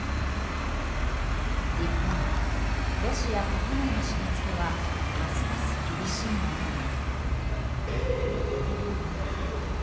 一方、ロシア国内の締め付けはますます厳しいものに。